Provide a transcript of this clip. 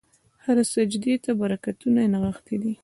هره سجدې ته برکتونه نغښتي دي.